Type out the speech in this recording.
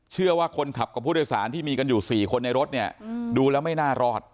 เชื่อว่าคนขับกับผู้โดยสารที่มีกันอยู่๔คนในรถเนี่ยดูแล้วไม่น่ารอด